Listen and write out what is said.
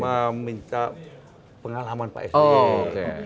meminta pengalaman pak sby